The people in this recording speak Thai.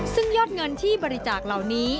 ซึ่งยอดเงินที่บริจาคเหล่านี้